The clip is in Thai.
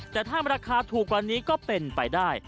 แต่ถ้าราคาถูกกว่านี้ก็เป็นไปได้